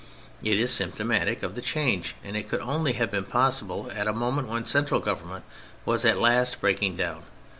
It is symptomatic of the change, and it could only have been possible at a moment when central government was at last breaking down.